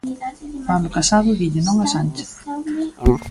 Pablo Casado dille non a Sánchez.